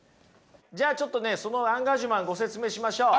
じゃあちょっとねそのアンガージュマンご説明しましょう。